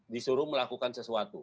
disuruh melakukan sesuatu